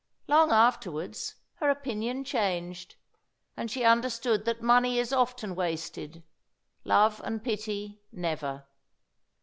Long afterwards, her opinion changed, and she understood that money is often wasted love and pity never.